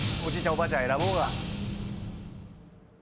おばあちゃんが選ぼうが。